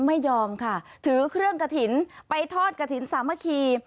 ไม่ยอมค่ะถือเครื่องกระถิ่นไปทอดกระถิ่นสามัคคี